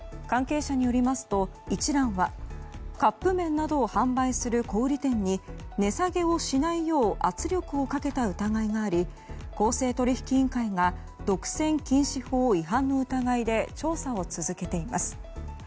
関係者によりますと、一蘭はカップ麺などを販売する小売店に値下げをしないよう圧力をかけた疑いがあり公正取引委員会が独占禁止法違反の疑いで調査を続けています。